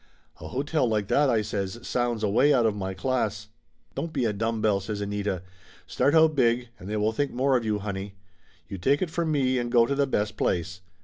"A hotel like that," I says, "sounds away out of my class." "Don't be a dumb bell!" says Anita. "Start out big, and they will think more of you, honey! You take it from me and go to the best place.